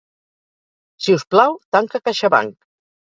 Si us plau, tanca CaixaBank.